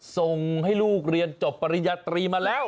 ส่งให้ลูกเรียนจบปริญญาตรีมาแล้ว